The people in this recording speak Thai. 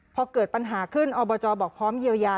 พอเกิดปัญหาขึ้นอบจบอกพร้อมเยียวยา